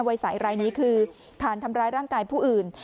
วัยสายรายนี้คือฐานทำร้ายร่างกายผู้อื่น